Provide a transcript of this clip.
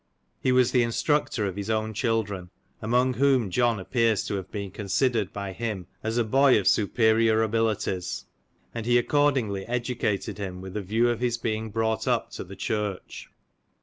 He was the instructor of his own children, among whom John appears to have been considered by him as a boy of superior abilities, and he accordingly educated him with a view of his being brought up to the church.